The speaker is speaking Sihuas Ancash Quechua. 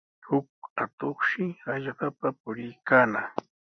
Huk atuqshi hallqapa puriykaanaq.